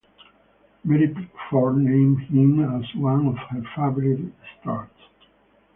Mary Pickford named him as one of her favorite stars.